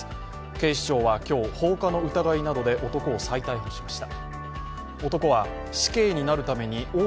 警視庁は今日、放火の疑いなどで男を再逮捕しました。